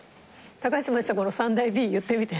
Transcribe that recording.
高嶋ちさ子の３大Ｂ言ってみて。